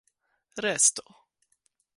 resto